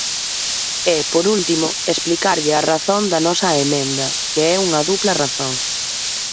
E, por último, explicarlle a razón da nosa emenda, que é unha dupla razón.